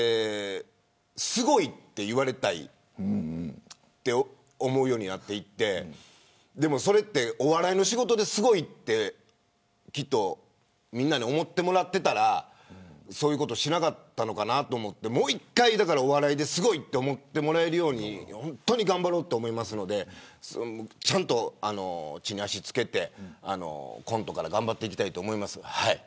すごい、と言われたいと思うようになっていってでも、それはお笑いの仕事ですごいってきっと、みんなに思ってもらっていたらそういうことをしなかったのかなと思ってもう１回お笑いですごいと思ってもらえるように頑張ろうと思いますのでちゃんと、地に足をつけてコントから頑張っていきたいと思います。